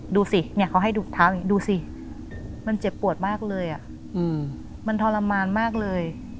ดูสิเนี่ยเขาให้ดูดูสิมันเจ็บปวดมากเลยอะมันทรมานมากเลย